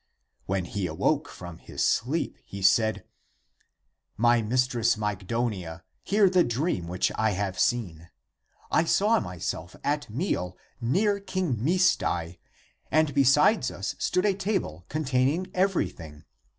When he awoke from his sleep he said, " My mistress Mygdonia, hear the dream which I have seen. I saw myself at meal near King Misdai and besides us stood a table con taining everything.